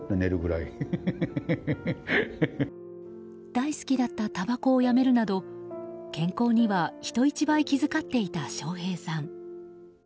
大好きだったたばこをやめるなど健康には人一倍気遣っていた笑瓶さん。